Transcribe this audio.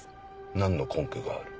何の根拠がある？